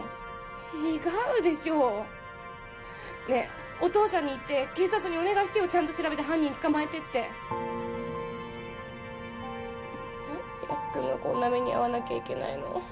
違うでしょお父さんに言って警察にお願いしてよちゃんと調べて犯人捕まえてって何でヤス君がこんな目に遭わなきゃいけないの！？